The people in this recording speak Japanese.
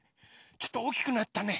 ちょっとおおきくなったね。